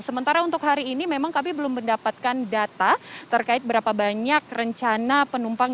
sementara untuk hari ini memang kami belum mendapatkan data terkait berapa banyak rencana penumpang